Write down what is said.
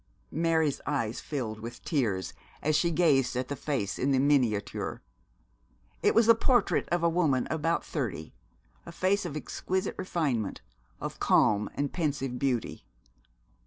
Mary's eyes filled with tears as she gazed at the face in the miniature. It was the portrait of a woman of about thirty a face of exquisite refinement, of calm and pensive beauty.